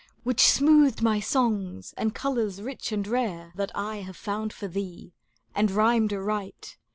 Which smoothed my songs, and colours rich and rare. That I have found for thee, and rhymed aright.